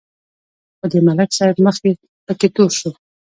خو د ملک صاحب مخ پکې تور شو.